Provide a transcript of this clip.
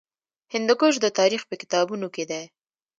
هندوکش د تاریخ په کتابونو کې دی.